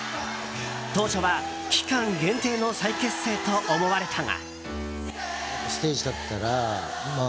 当初は、期間限定の再結成と思われたが。